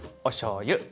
おしょうゆ